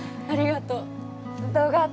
ありがとう。